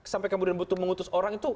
sampai kemudian butuh mengutus orang itu